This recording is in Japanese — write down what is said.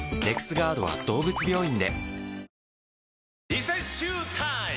リセッシュータイム！